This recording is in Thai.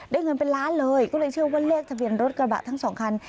เงินเป็นล้านเลยก็เลยเชื่อว่าเลขทะเบียนรถกระบะทั้งสองคัน